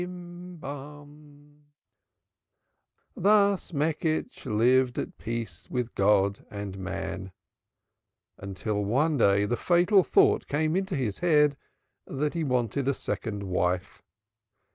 Thus Meckisch lived at peace with God and man, till one day the fatal thought came into his head that he wanted a second wife.